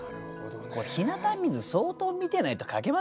これ日向水相当見てないと書けませんよね